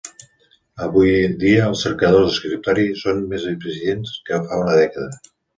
Avui dia els cercadors d'escriptori són més eficients que fa una dècada.